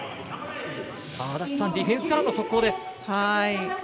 ディフェンスからの速攻です。